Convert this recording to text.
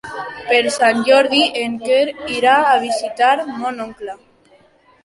Per Sant Jordi en Quer irà a visitar mon oncle.